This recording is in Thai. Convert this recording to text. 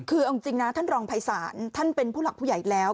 คือเอาจริงนะท่านรองภัยศาลท่านเป็นผู้หลักผู้ใหญ่แล้ว